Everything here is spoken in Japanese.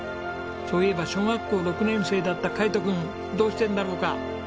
そういえば小学校６年生だった海斗君どうしてるんだろうか？